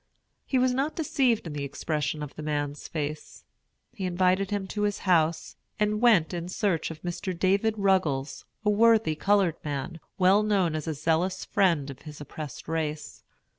He was not deceived in the expression of the man's face. He invited him to his house, and went in search of Mr. David Ruggles, a worthy colored man, well known as a zealous friend of his oppressed race.